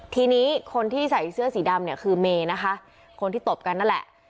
ทีนี้คนที่ใส่เสื้อสีดำเนี่ยคือเมนะคะคนที่ตบกันนั่นแหละ